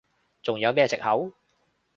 仲有咩藉口？